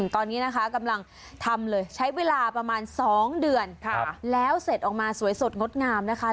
ตอนนี้นะคะกำลังทำเลยใช้เวลาประมาณ๒เดือนแล้วเสร็จออกมาสวยสดงดงามนะคะ